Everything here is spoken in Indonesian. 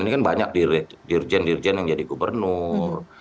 ini kan banyak dirjen dirjen yang jadi gubernur